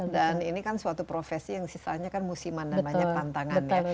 ini kan suatu profesi yang sisanya kan musiman dan banyak tantangan ya